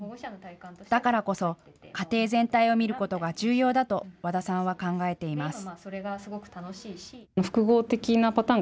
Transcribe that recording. だからこそ、家庭全体をみることが重要だと和田さんは考えています。